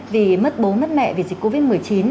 vì mất bố mất mẹ vì dịch covid một mươi chín